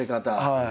はい。